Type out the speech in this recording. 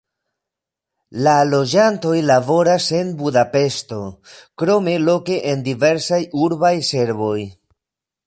La loĝantoj laboras en Budapeŝto, krome loke en diversaj urbaj servoj.